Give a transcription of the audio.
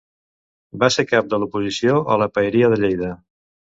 Va ser cap de l'oposició a la Paeria de Lleida.